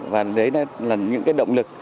và đấy là những động lực